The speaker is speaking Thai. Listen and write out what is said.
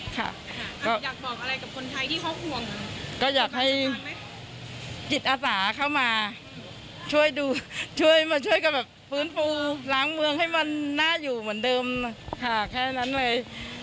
ค่ะอยากบอกอะไรกับคนไทยที่เขาห่วงก็อยากให้จิตอาสาเข้ามาช่วยดูช่วยมาช่วยกันแบบฟื้นฟูล้างเมืองให้มันน่าอยู่เหมือนเดิมค่ะแค่นั้นเลย